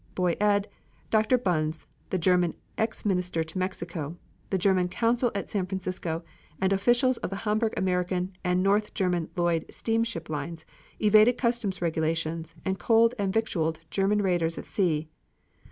Boy Ed, Dr. Bunz, the German ex minister to Mexico, the German consul at San Francisco, and officials of the Hamburg American and North German Lloyd steamship lines evaded customs regulations and coaled and victualed German raiders at sea.